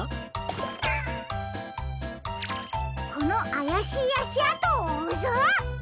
このあやしいあしあとをおうぞ！